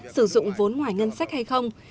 sử dụng vốn ngoài ngân sách hay không